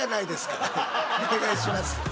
お願いしますよ。